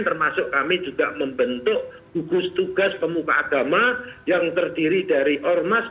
termasuk kami juga membentuk gugus tugas pemuka agama yang terdiri dari ormas